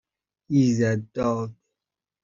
ایزدداد